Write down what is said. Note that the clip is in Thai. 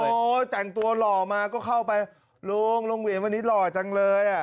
ก็แต่งตัวหล่อมาก็เข้าไปลุงลุงหวินวันนี้หล่อจังเลย